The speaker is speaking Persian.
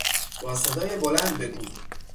با صدای بلند بگو!